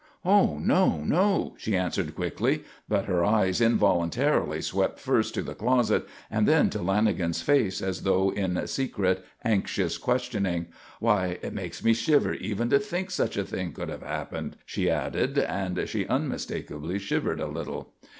"Oh, no, no," she answered quickly, but her eyes involuntarily swept first to the closet and then to Lanagan's face as though in secret, anxious questioning. "Why, it makes me shiver even to think such a thing could have happened," she added, and she unmistakably shivered a little.